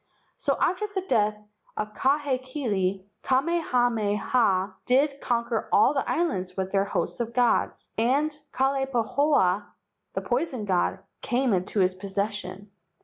So, after the death of Ka hekili, Kamehameha did con¬ quer all the islands with their hosts of gods, and Kalai pahoa, the poison god, came into his possession.